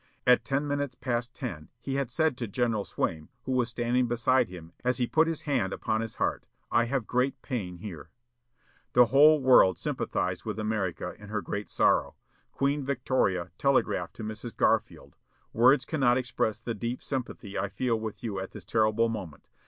At ten minutes past ten he had said to General Swaim, who was standing beside him, as he put his hand upon his heart, "I have great pain here." The whole world sympathized with America in her great sorrow. Queen Victoria telegraphed to Mrs. Garfield: "Words cannot express the deep sympathy I feel with you at this terrible moment.